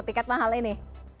tiket mahal ini